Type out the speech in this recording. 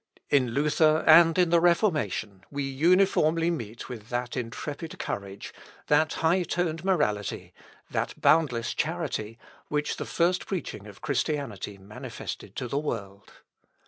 _" In Luther and in the Reformation we uniformly meet with that intrepid courage, that high toned morality, that boundless charity, which the first preaching of Christianity manifested to the world.